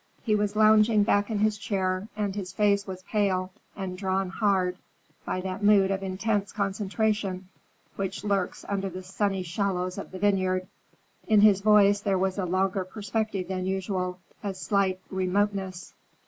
He was lounging back in his chair, and his face was pale and drawn hard by that mood of intense concentration which lurks under the sunny shallows of the vineyard. In his voice there was a longer perspective than usual, a slight remoteness.